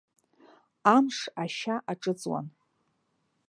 Амш ашьа аҿыҵуан.